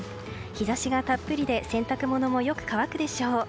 日差しがたっぷりで洗濯物もよく乾くでしょう。